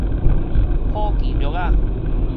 頗其略仔